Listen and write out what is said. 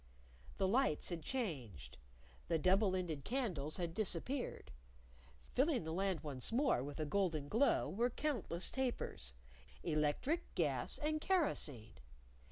The lights had changed: The double ended candles had disappeared. Filling the Land once more with a golden glow were countless tapers electric, gas, and kerosene.